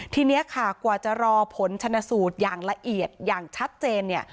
ทีนี้ค่ะกว่าจะรอผลชนสูตรอย่างละเอียดอย่างชัดเจนเนี่ย